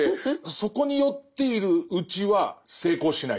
そこに酔っているうちは成功しない。